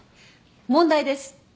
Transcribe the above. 問題です。